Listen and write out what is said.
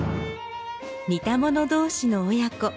似たもの同士の親子。